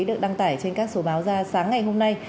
được đăng tải trên các số báo ra sáng ngày hôm nay